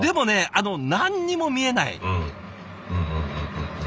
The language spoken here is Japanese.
あの何にも見えない！